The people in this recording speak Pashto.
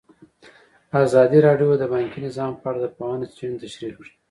ازادي راډیو د بانکي نظام په اړه د پوهانو څېړنې تشریح کړې.